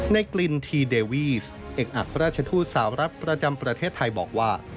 ในกลิ่นทีเดวีสเอกอักราชทูตสาวรัฐประจำประเทศไทยบอกว่า